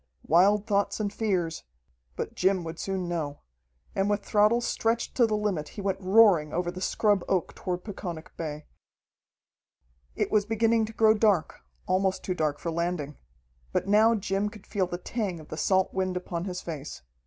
Wild thoughts and fears but Jim would soon know. And with throttle stretched to the limit he went roaring over the scrub oak toward Peconic Bay. It was beginning to grow dark, almost too dark for landing. But now Jim could feel the tang of the salt wind upon his face.